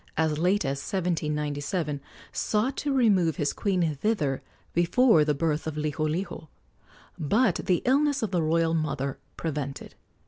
as late as 1797, sought to remove his queen thither before the birth of Liholiho, but the illness of the royal mother prevented.